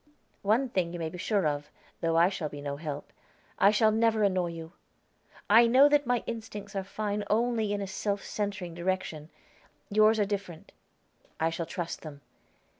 "One thing you may be sure of though I shall be no help, I shall never annoy you. I know that my instincts are fine only in a self centering direction; yours are different. I shall trust them.